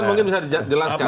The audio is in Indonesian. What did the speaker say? mungkin bisa dijelaskan